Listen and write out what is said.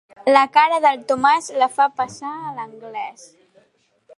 La cara del Tomàs la fa passar a l'anglès.